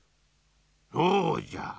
そうじゃ。